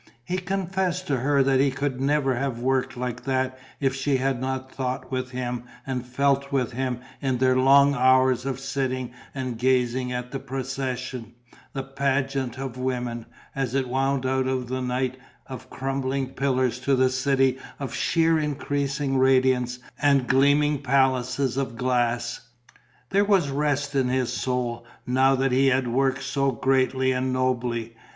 He confessed to her that he could never have worked like that if she had not thought with him and felt with him in their long hours of sitting and gazing at the procession, the pageant of women, as it wound out of the night of crumbling pillars to the city of sheer increasing radiance and gleaming palaces of glass. There was rest in his soul, now that he had worked so greatly and nobly.